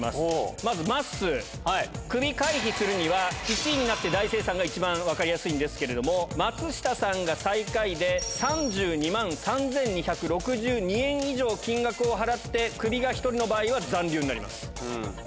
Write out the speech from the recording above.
まずまっすー、クビ回避するには１位になって大精算が一番分かりやすいんですけれども、松下さんが最下位で、３２万円３２６２円以上、金額を払ってクビが１人の場合は、おー。